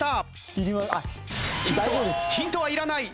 ヒントはいらない！